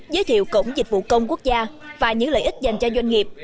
giới thiệu cổng dịch vụ công quốc gia và những lợi ích dành cho doanh nghiệp